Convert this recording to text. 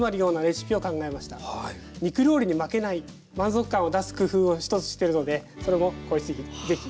肉料理に負けない満足感を出す工夫を一つしてるのでそれもぜひ。